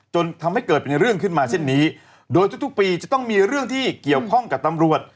จนทำให้เกิดเป็นเรื่องขึ้นมาเช่นนี้โดยทุกทุกปีจะต้องมีเรื่องที่เกี่ยวข้องกับตำรวจ